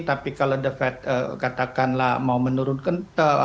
tapi kalau the fed katakanlah mau menurunkan